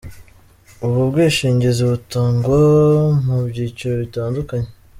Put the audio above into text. Ubu bwishingizi butangwa mu byiciro bitandukanye.